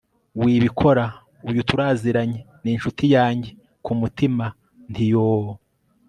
wibikora uyu turaziranye ni inshuti yanjye! kumutima nti yoooooh